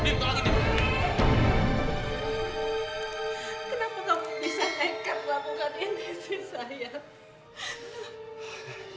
bisa nekat lakukan ini sih sayang